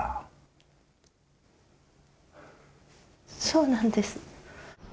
そうなんです。